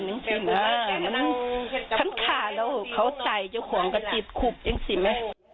ทั้งขาแล้วเขาใส่เจ้าของกระจิบขุบยังสิไหม